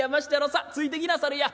さあついてきなされや。